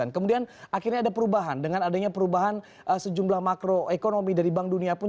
kemudian akhirnya ada perubahan dengan adanya perubahan sejumlah makroekonomi dari bank dunia pun